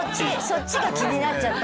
そっちが気になっちゃって。